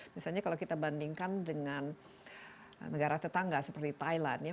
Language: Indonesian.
misalnya kalau kita bandingkan dengan negara tetangga seperti thailand ya